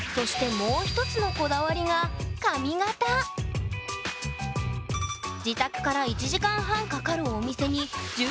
もう一つのこだわりが自宅から１時間半かかるお店にえっ。